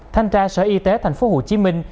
thanh tra sở y tế thành phố hồ chí minh